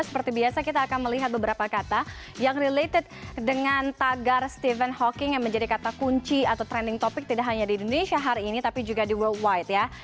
seperti biasa kita akan melihat beberapa kata yang related dengan tagar stephen hawking yang menjadi kata kunci atau trending topic tidak hanya di indonesia hari ini tapi juga di worldwide ya